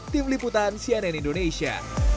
tim liputan cnn indonesia